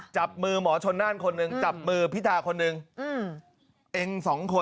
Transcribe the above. จับมือหมอชนนั่นคนหนึ่งจับมือพิธาคนนึง